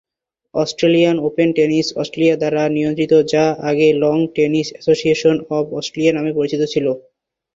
Australian Open tennis Australia দ্বারা নিয়ন্ত্রিত, যা আগে "Lawn Tennis Association of Australia" নামে পরিচিত ছিল।